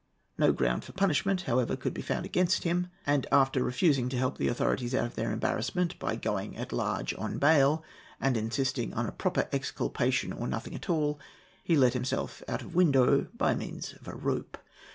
No ground for punishment, however, could be found against him; and, after refusing to help the authorities out of their embarrassment by going at large on bail, and insisting on a proper exculpation or nothing at all, he let himself out of window by means of a rope.